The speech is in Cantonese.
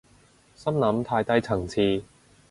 心諗太低層次